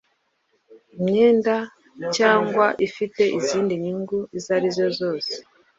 imyenda cyangwa ufite izindi nyungu izari zo zose